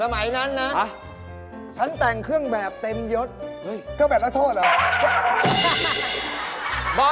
ไม่แตกตากเลยอ่ะ